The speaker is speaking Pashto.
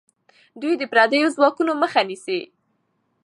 دوی د پردیو ځواکونو مخه نیسي.